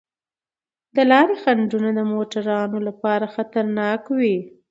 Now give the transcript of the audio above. د لارې خنډونه د موټروانو لپاره خطرناک وي.